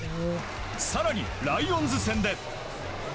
更にライオンズ戦で。